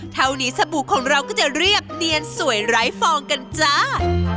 เท่านี้สบู่ของเราก็จะเรียบเนียนสวยไร้ฟองกันจ้า